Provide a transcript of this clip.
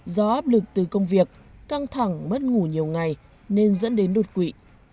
do áp lực từ công việc căng thẳng mất ngủ nhiều ngày nên dẫn đến đột quỵ